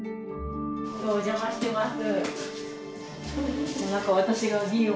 お邪魔してます。